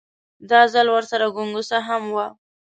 دا ځل ورسره ګونګسه هم وه.